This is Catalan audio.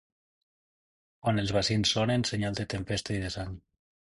Quan els bacins sonen, senyal de tempesta i de sang.